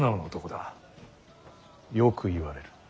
よく言われる。